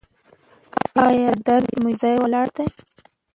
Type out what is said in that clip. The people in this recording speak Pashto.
ایا درد مو یو ځای ولاړ دی؟